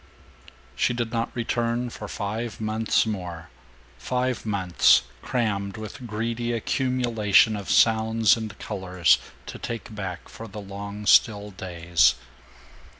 She did not return for five months more; five months crammed with greedy accumulation of sounds and colors to take back for the long still days.